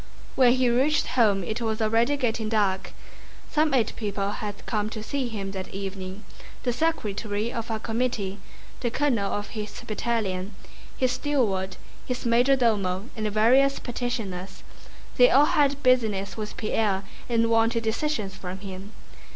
When he reached home it was already getting dark. Some eight people had come to see him that evening: the secretary of a committee, the colonel of his battalion, his steward, his major domo, and various petitioners. They all had business with Pierre and wanted decisions from him.